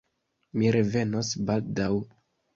Mi revenos baldaŭ.